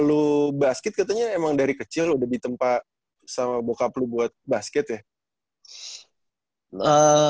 awal lu basket katanya emang dari kecil lu udah ditempa sama bokap lu buat basket ya